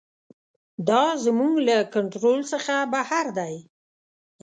دا زموږ له کنټرول څخه بهر دی.